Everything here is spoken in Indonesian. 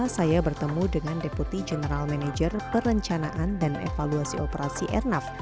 saya bertemu dengan deputi general manager perencanaan dan evaluasi operasi airnav